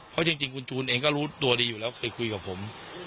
เพราะจริงคุณจูนเองก็รู้ตัวดีอยู่แล้วเคยคุยกับผม